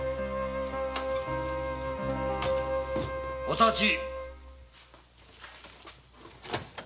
お立ち。